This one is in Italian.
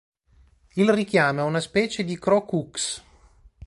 Il richiamo è una specie di "cro ku-ks".